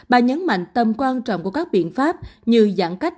bà nhấn mạnh tầm quan trọng của các biện pháp như giãn cách